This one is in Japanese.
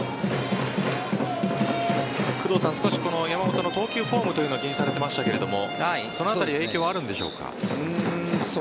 少し山本の投球フォームというのを気にされていましたがその辺り影響はあるんでしょうか？